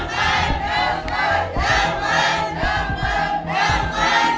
เท่าไหร่